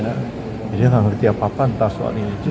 dia bilang tidak tahu apa apa soal ini